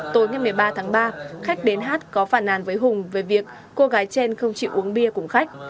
tối ngày một mươi ba tháng ba khách đến hát có phản nàn với hùng về việc cô gái trên không chịu uống bia cùng khách